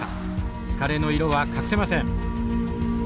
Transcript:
疲れの色は隠せません。